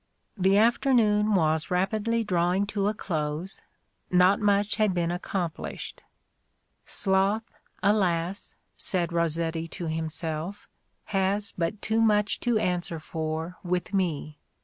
The afternoon was rapidly drawing to a close : not much had been accomplished. Sloth, alas," said Rossetti to himself, has but too much to answer for with me.